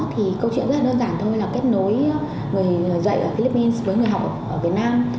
thì câu chuyện rất là đơn giản thôi là kết nối người dạy ở philippines với người học ở việt nam